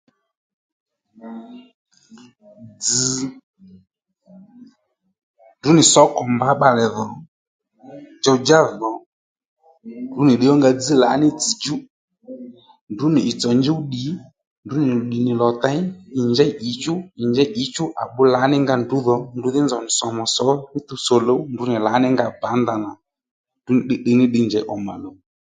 Dzz̀ ndrǔ nì sǒkò mbǎ bbalè dhò djow djá dhò ndrǔ nì ddiy ó nga dzź lǎní dzẑ djú ndrǔ nì ì tsòw njúw ddì ndrǔ nì ddì nì lò těy ì njèy ǐchú ì njěy ǐchú à bbú lǎní nga ndrǔdhò ndrǔ dhí nzòw nì sòmù sǒ fú tuw tsò luw ndrǔ nì lǎní nga pǎ ndanà ndrǔ nì tditdiy ní ddiy njěy ǒmà luw